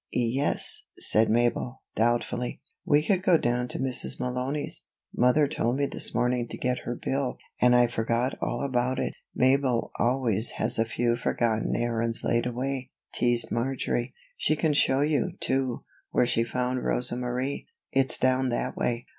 "Ye es," said Mabel, doubtfully. "We could go down to Mrs. Malony's. Mother told me this morning to get her bill, and I forgot all about it." "Mabel always has a few forgotten errands laid away," teased Marjory. "She can show you, too, where she found Rosa Marie it's down that way."